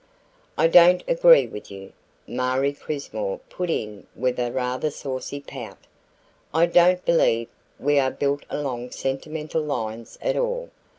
"I don't agree with you," Marie Crismore put in with a rather saucy pout. "I don't believe we are built along sentimental lines at all.